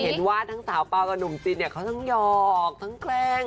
เห็นว่าทั้งสาวเปล่ากับหนุ่มจินเนี่ยเขาทั้งหยอกทั้งแกล้ง